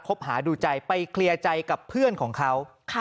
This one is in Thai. หาดูใจไปเคลียร์ใจกับเพื่อนของเขา